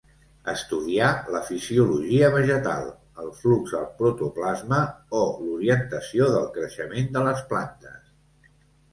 Estudià la fisiologia vegetal, el flux al protoplasma, o l'orientació del creixement de les plantes.